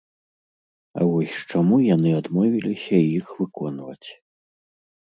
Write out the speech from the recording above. А вось чаму яны адмовіліся іх выконваць?